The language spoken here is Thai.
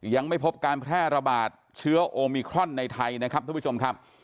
ยังไม่พบการแพร่ระบาดเชื้อโอมิครอนในไทยนะครับท่านผู้ชมครับ